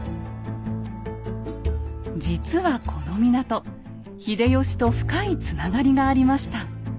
実はこの港秀吉と深いつながりがありました。